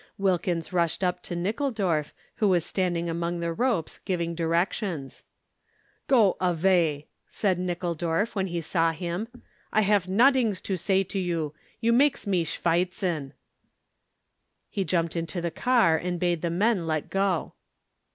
Wilkins rushed up to Nickeldorf, who was standing among the ropes giving directions. "Go avay!" said Nickeldorf, when he saw him. "I hafe nodings to say to you. You makes me schwitzen." He jumped into the car and bade the men let go.